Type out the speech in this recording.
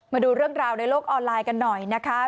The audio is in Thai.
มาดูเรื่องราวในโลกออนไลน์กันหน่อยนะคะ